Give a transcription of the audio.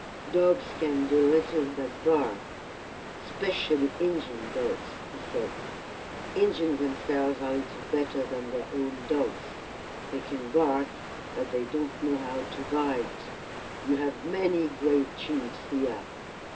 "Dogs can do little but bark; 'specially Injin dogs," he said. "Injins themselves are little better than their own dogs. They can bark, but they don't know how to bite. You have many great chiefs here.